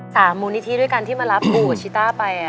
มูลนิธิด้วยกันที่มารับปูกับชิต้าไป